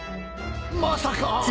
まさか。